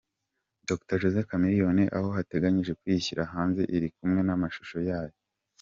Dr José Chameleon aho bateganya kuyishyira hanze iri kumwe namashusho yayo mu.